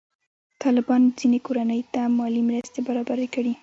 طالبانو ځینې کورنۍ ته مالي مرستې برابرې کړي.